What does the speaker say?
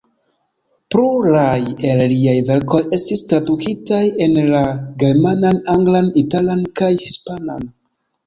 Pluraj el liaj verkoj estis tradukitaj en la germanan, anglan, italan kaj hispanan.